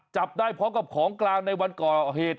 จับได้พร้อมกับของกลางในวันก่อเหตุ